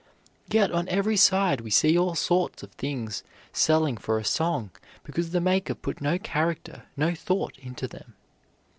Yet on every side we see all sorts of things selling for a song because the maker put no character, no thought into them.